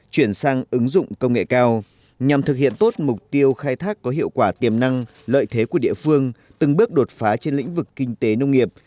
chuyển sang ứng dụng công nghệ cao nhằm thực hiện tốt mục tiêu khai thác có hiệu quả tiềm năng lợi thế của địa phương từng bước đột phá trên lĩnh vực kinh tế nông nghiệp